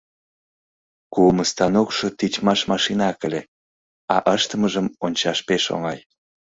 Куымо станокшо тичмаш машинак ыле, а ыштымыжым ончаш пеш оҥай.